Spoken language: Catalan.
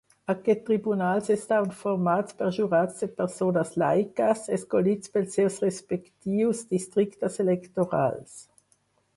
Aquests tribunals estaven formats per jurats de persones laiques, escollits pels seus respectius districtes electorals.